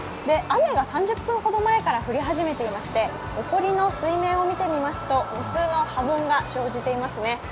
雨が３０分ほど前から降り始めていまして、お堀の水面を見てみますと無数の波紋が生じていますね。